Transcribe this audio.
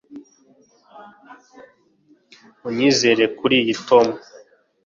Unyizere kuriyi Tom